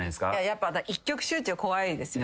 やっぱ一極集中は怖いですよね。